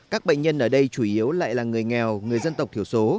các bệnh nhân ở đây chủ yếu lại là người nghèo người dân tộc thiểu số